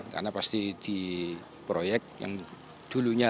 karena pasti di proyek yang dulunya